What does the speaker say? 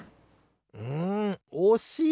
うんおしい！